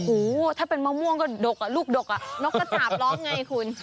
โอ้โหถ้าเป็นมะม่วงก็ดกลูกดกนกก็สาบร้องไงคุณ